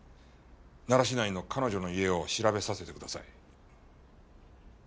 奈良市内の彼女の家を調べさせてください。